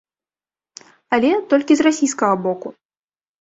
Але толькі з расійскага боку.